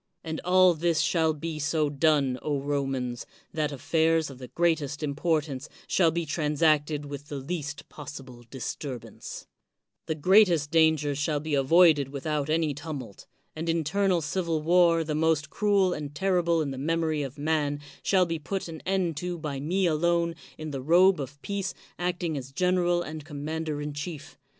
And all this shall be so done, O Romans, that affairs of the greatest importance shall be II 9 129 THE WORLD'S FAMOUS ORATIONS transacted with the least possible disturbance; the greatest dangers shall be avoided without any tumult ; an internal civil war the most cruel and terrible in the memory of man, shall be put an end to by me alone in the robe of peace acting as general and commander in chief.